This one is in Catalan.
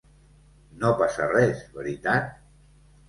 No passa res, veritat?